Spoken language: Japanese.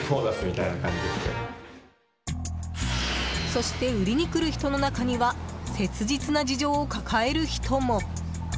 そして、売りに来る人の中には切実な事情を抱える人も。